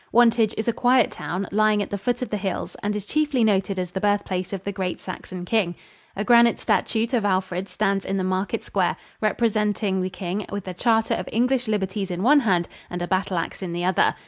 Wantage is a quiet town, lying at the foot of the hills, and is chiefly noted as the birthplace of the great Saxon king. A granite statute of Alfred stands in the market square, representing the king with the charter of English liberties in one hand and a battle ax in the other.